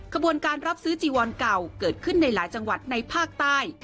ขบวนการรับซื้อจีวอนเก่าเกิดขึ้นในหลายจังหวัดในภาคใต้